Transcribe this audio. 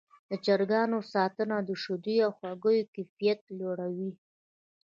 د چرګانو ساتنه د شیدو او هګیو کیفیت لوړوي.